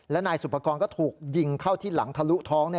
และนายสุภกรณ์ก็ถูกยิงเข้าที่หลังทะลุท้อง